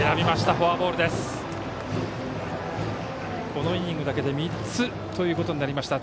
このイニングだけで３つということになりました。